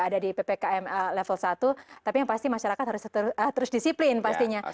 ada di ppkm level satu tapi yang pasti masyarakat harus disiplin pastinya